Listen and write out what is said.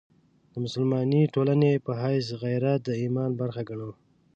د مسلمانې ټولنې په حیث غیرت د ایمان برخه ګڼو.